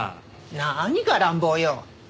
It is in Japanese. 何が乱暴よ。